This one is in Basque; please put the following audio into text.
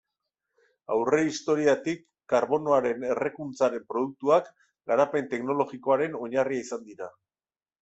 Aurrehistoriatik karbonoaren errekuntzaren produktuak, garapen teknologikoaren oinarria izan dira.